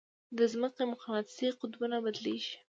د ځمکې مقناطیسي قطبونه بدلېږي.